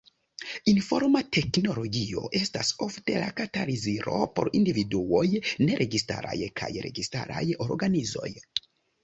Informa teknologio estas ofte la katalizilo por individuoj, neregistaraj kaj registaraj organizoj.